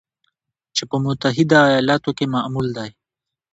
چې په متحده ایالاتو کې معمول دی